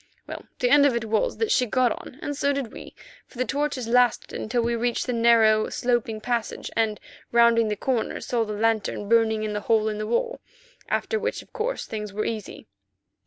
Well, the end of it was that she got on, and so did we, for the torches lasted until we reached the narrow, sloping passage, and, rounding the corner, saw the lantern burning in the hole in the wall, after which, of course, things were easy.